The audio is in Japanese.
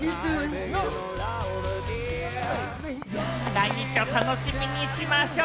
来日を楽しみにしましょう。